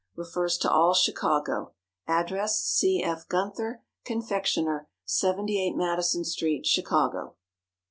Refers to all Chicago. Address C. F. GUNTHER, Confectioner, 78 MADISON STREET, CHICAGO.